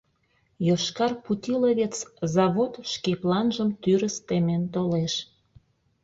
«Йошкар путиловец» завод шке планжым тӱрыс темен толеш.